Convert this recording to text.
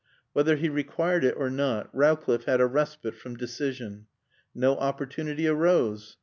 Whether he required it or not, Rowcliffe had a respite from decision. No opportunity arose.